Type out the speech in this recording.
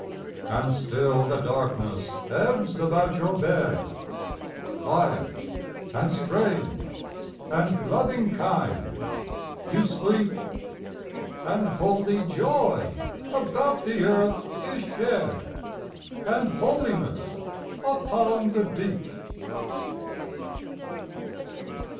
And still the darkness ebbs about your bed. Quiet, and strange, and loving kind, you sleep. And holy joy about the earth is shed; And holiness upon the deep.